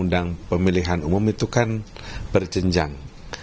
undang pemilihan umum itu kan berjenjang